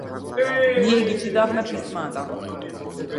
Ние ги читавме писмата.